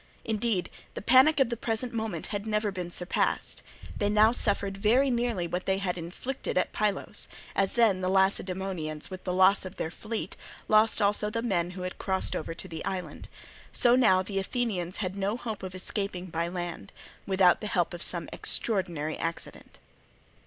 Indeed, the panic of the present moment had never been surpassed. They now suffered very nearly what they had inflicted at Pylos; as then the Lacedaemonians with the loss of their fleet lost also the men who had crossed over to the island, so now the Athenians had no hope of escaping by land, without the help of some extraordinary accident.